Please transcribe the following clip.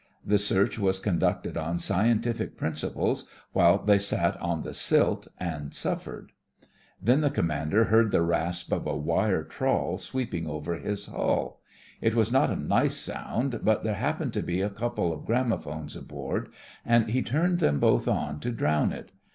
The search was con ducted on scientific principles while they sat on the silt and suffered. 54 THE FRINGES OF THE FLEET Then the commander heard the rasp of a wire trawl sweeping over his hull. It was not a nice sound, but there happened to be a couple of gramo phones aboard, and he turned them both on to drown it.